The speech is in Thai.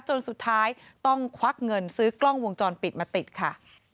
จนสุดท้ายต้องควักเงินซื้อกล้องวงจรปิดมาติดค่ะ